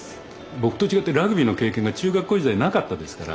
僕と違ってラグビーの経験が中学校時代なかったですから。